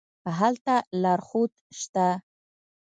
هلته لارښود شته.